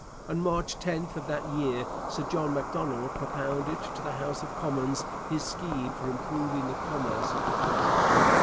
On March 10 of that year Sir John Macdonald propounded to the House of Commons his scheme for improving the commerce of the country.